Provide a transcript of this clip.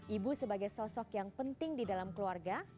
ibu sebagai sosok yang penting di dalam keluarga